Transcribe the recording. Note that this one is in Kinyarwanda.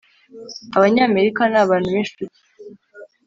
abanyamerika ni abantu b'inshuti